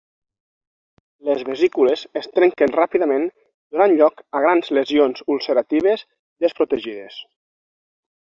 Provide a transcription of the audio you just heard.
Les vesícules es trenquen ràpidament donant lloc a grans lesions ulceratives desprotegides.